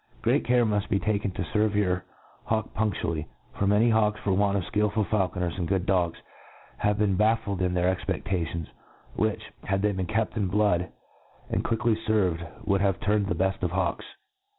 Great care muft be taHcn to ferve your hawk punftually j for many hawks, for want of fkilful faulconer^ and good dogs, have been baffled in their expe&ations, which, had they been kept in blood, and quickly fcrved, would have turned the bell of hawks.